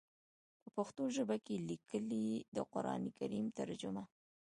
پۀ پښتو ژبه کښې ليکلی د قران کريم ترجمه